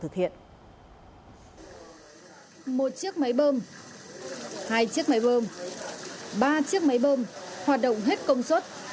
một chiếc máy bơm hai chiếc máy bơm ba chiếc máy bơm hoạt động hết công suất